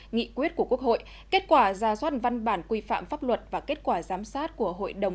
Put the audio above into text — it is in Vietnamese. nghị quyết của quốc hội kết quả ra soát văn bản quy phạm pháp luật và kết quả giám sát của hội đồng